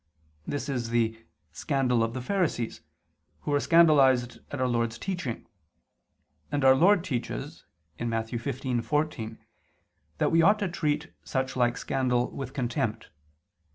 This is the "scandal of the Pharisees," who were scandalized at Our Lord's teaching: and Our Lord teaches (Matt. 15:14) that we ought to treat such like scandal with contempt.